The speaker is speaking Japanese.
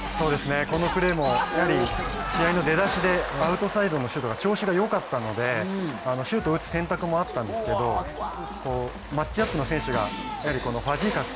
このプレーも試合の出だしでアウトサイドのシュートが調子が良かったのでシュートを打つ選択もあったんですけどマッチアップの選手がファジーカス